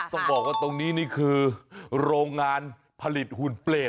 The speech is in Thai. ต้องบอกว่าตรงนี้นี่คือโรงงานผลิตหุ่นเปรต